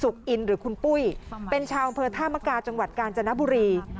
อินหรือคุณปุ้ยเป็นชาวอำเภอธามกาจังหวัดกาญจนบุรี